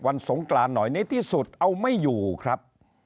สงกรานหน่อยในที่สุดเอาไม่อยู่ครับ